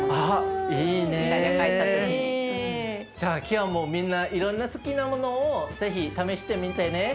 じゃあ今日もみんないろんな好きなものを是非試してみてね。